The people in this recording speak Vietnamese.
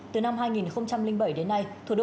từ năm hai nghìn bảy đến nay